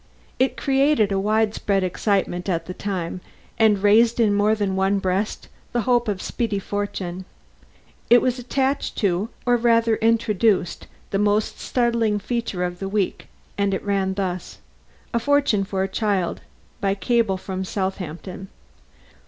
It created a wide spread excitement at the time and raised in more than one breast the hope of speedy fortune. It was attached to, or rather introduced, the most startling feature of the week, and it ran thus: A FORTUNE FOR A CHILD. _By cable from Southampton.